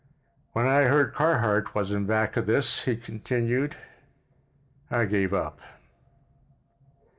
"When I heard Carhart was back of this," he continued, "I gave up."